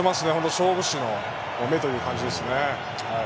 勝負師の目という感じですね。